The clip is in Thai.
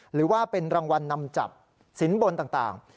หรือว่าเป็นรางวัลนำจับสินบนต่าง